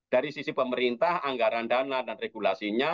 dari sisi pemerintah anggaran dana dan regulasinya